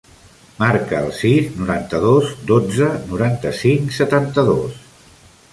Marca el sis, noranta-dos, dotze, noranta-cinc, setanta-dos.